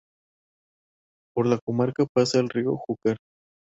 Por la comarca pasa el río Júcar.